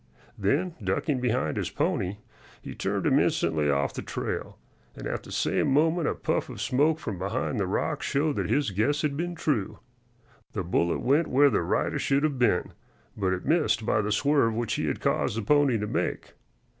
Then ducking behind his pony, he turned him instantly off the trail, and at the same moment a puff of smoke from behind the rock showed that his guess had been true. The bullet went where the rider should have been, but it missed by the swerve which he had caused the pony to make.